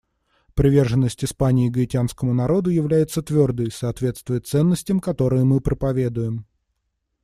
Приверженность Испании гаитянскому народу является твердой и соответствует ценностям, которые мы проповедуем.